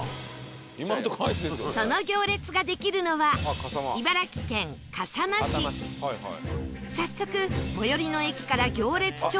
その行列ができるのは早速最寄りの駅から行列調査スタートです